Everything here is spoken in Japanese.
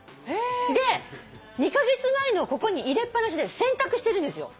で２カ月前のをここに入れっぱなしで洗濯してるんですよ。